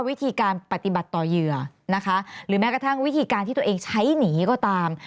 วิธีการปฏิบัติต่อเหยื่อนะคะหรือแม้กระทั่งวิธีการที่ตัวเองใช้หนีก็ตาม